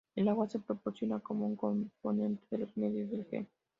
El agua se proporciona como un componente de los medios del gel.